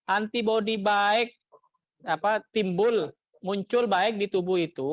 antibody baik timbul muncul baik di tubuh itu